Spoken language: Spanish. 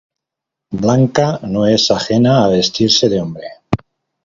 Bianca no es ajena a vestirse de hombre.